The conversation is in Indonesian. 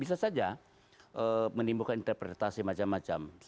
bisa saja menimbulkan interpretasi macam macam